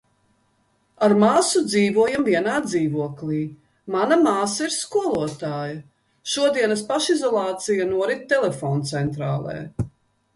Ar māsu dzīvojam vienā dzīvoklī. Mana māsa ir skolotāja. Šodienas pašizolācija norit telefoncentrālē...